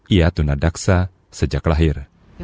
ia tunadaksa sejak lahir